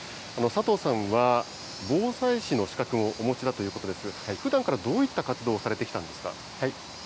佐藤さんは、防災士の資格をお持ちだということですが、ふだんからどういった活動をされてきたんですか。